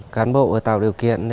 cán bộ tạo điều kiện